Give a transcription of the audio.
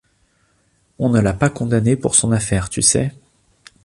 On ne l’a pas condamné pour son affaire, tu sais?